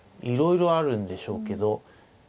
いろいろあるんでしょうけど。